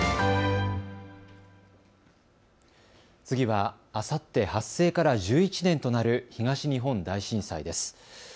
次は、あさって発生から１１年となる東日本大震災です。